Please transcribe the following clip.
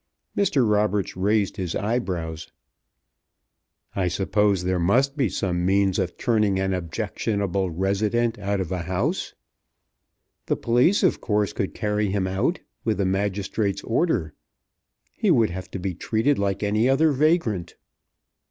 Mr. Roberts raised his eyebrows. "I suppose there must be some means of turning an objectionable resident out of a house." "The police, of course, could carry him out with a magistrate's order. He would have to be treated like any other vagrant."